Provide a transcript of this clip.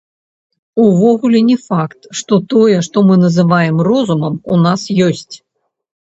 Увогуле не факт, што тое, што мы называем розумам, у нас ёсць.